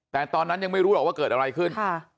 แต่ตอนนั้นยังไม่รู้หรอกว่าเกิดอะไรขึ้น